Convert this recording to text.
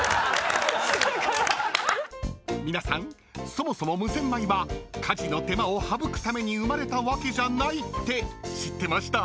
［皆さんそもそも無洗米は家事の手間を省くために生まれたわけじゃないって知ってました？］